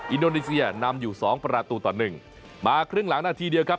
อินโดนีเซียนำอยู่สองประตูต่อหนึ่งมาครึ่งหลังนาทีเดียวครับ